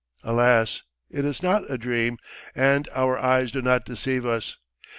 Alas, it is not a dream and our eyes do not deceive us!